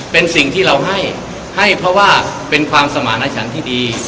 เป็นสิ่งที่เราให้ให้เพราะว่าเป็นความสมารถฉันที่ดี